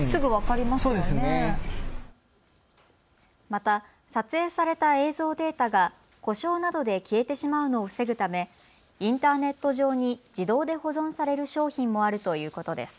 また撮影された映像データが故障などで消えてしまうのを防ぐためインターネット上に自動で保存される商品もあるということです。